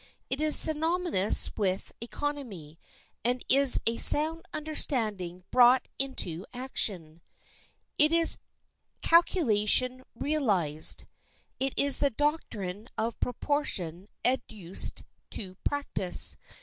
It is synonymous with economy, and is a sound understanding brought into action. It is calculation realized; it is the doctrine of proportion educed to practice.